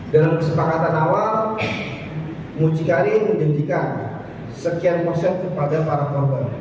dalam kesepakatan awal mucikari menghentikan sekian persen kepada para korban